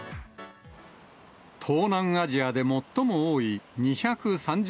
東南アジアで最も多い２３０